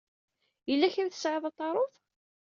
Yella kra ay tesɛiḍ ad t-taruḍ?